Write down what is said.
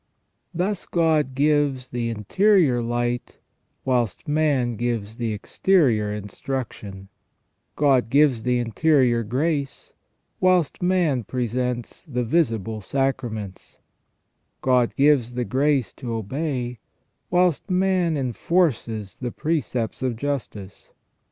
Thus God gives the interior light, whilst man gives the exterior instruction ; God gives the interior FROM THE BEGINNING TO THE END OF MAN 387 grace, whilst man presents the visible sacraments ; God gives the grace to obey, whilst man enforces the precepts of justice.